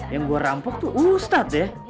yang gua rampok tuh ustaz ya